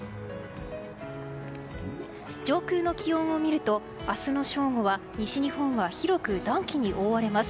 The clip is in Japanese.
上空の気温を見ると明日の正午は西日本は広く暖気に覆われます。